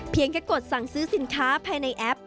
เพียงกะกดสั่งซื้อสินค้าภายในแอป